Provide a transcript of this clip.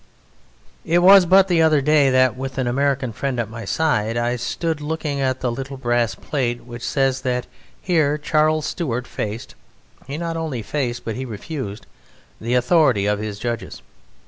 It was but the other day that, with an American friend at my side, I stood looking at the little brass plate which says that here Charles Stuart faced (he not only faced, but he refused) the authority of his judges.